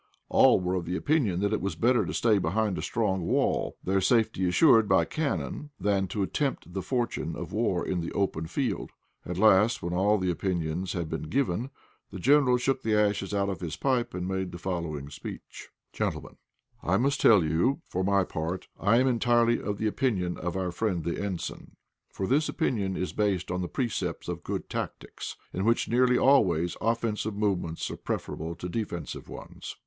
All were of opinion that it was better to stay behind a strong wall, their safety assured by cannon, than to tempt the fortune of war in the open field. At last, when all the opinions had been given, the General shook the ashes out of his pipe and made the following speech: "Gentlemen, I must tell you, for my part, I am entirely of the opinion of our friend the ensign, for this opinion is based on the precepts of good tactics, in which nearly always offensive movements are preferable to defensive ones."